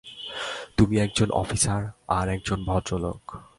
তুমি একজন অফিসার আর একজন ভদ্রলোক।